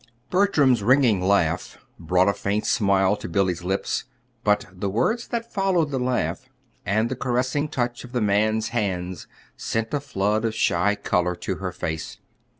Bertram's ringing laugh brought a faint smile to Billy's lips. But the words that followed the laugh, and the caressing touch of the man's hands sent a flood of shy color to her face.